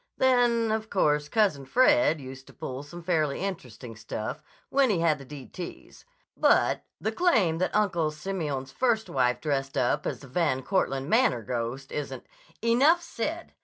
Then, of course, Cousin Fred used to pull some fairly interesting stuff when he had the d t's, but the claim that Uncle Simeon's first wife dressed up as the Van Cortland Manor ghost isn't—" "Enough said!